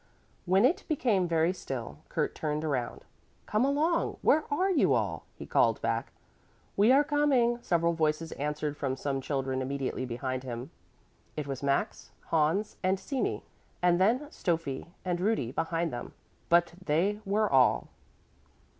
When it became very still, Kurt turned around. "Come along! Where are you all?" he called back. "We are coming," several voices answered from some children immediately behind him. It was Max, Hans and Simi, and then Stoffi and Rudi behind them, but they were all.